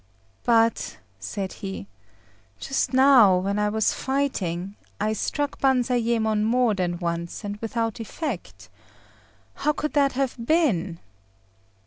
"But," said he, "just now, when I was fighting, I struck Banzayémon more than once, and without effect. How could that have been?"